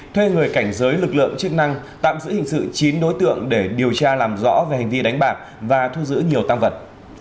thuê người cảnh giới lực lượng chức năng tạm giữ hình sự chín đối tượng để điều tra làm rõ về hành vi đánh bạc và thu giữ nhiều tăng vật